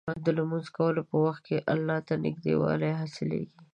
د لمونځ کولو په وخت کې الله ته نږدېوالی حاصلېږي.